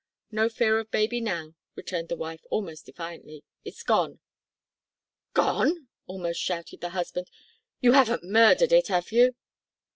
"No fear of baby now," returned the wife almost defiantly; "it's gone." "Gone!" almost shouted the husband. "You haven't murdered it, have you?"